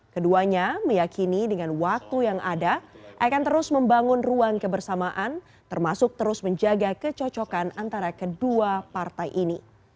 keduanya meyakini dengan waktu yang ada akan terus membangun ruang kebersamaan termasuk terus menjaga kecocokan antara kedua partai ini